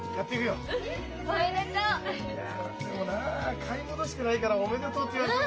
いやでもなあ買い戻してないから「おめでとう」と言われても。